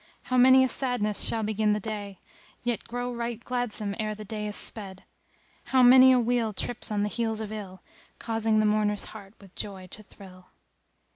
How many a sadness shall begin the day, * Yet grow right gladsome ere the day is sped! How many a weal trips on the heels of ill, * Causing the mourner's heart with joy to thrill!"